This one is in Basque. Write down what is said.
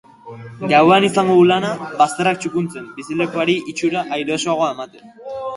Gauean izango du lana bazterrak txukuntzen, bizilekuari itxura airosoagoa ematen.